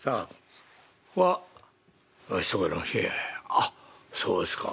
「あっそうですか。